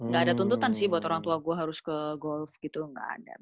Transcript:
gak ada tuntutan sih buat orang tua gue harus ke goals gitu nggak ada